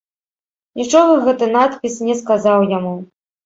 Нічога гэты надпіс не сказаў яму.